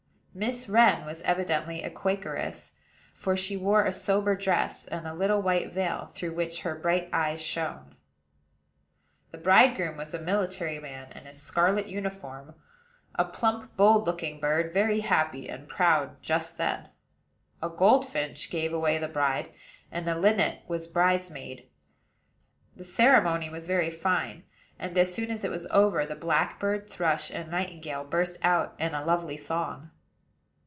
Miss Wren was evidently a Quakeress; for she wore a sober dress, and a little white veil, through which her bright eyes shone. The bridegroom was a military man, in his scarlet uniform, a plump, bold looking bird, very happy and proud just then. A goldfinch gave away the bride, and a linnet was bridesmaid. The ceremony was very fine; and, as soon as it was over, the blackbird, thrush and nightingale burst out in a lovely song.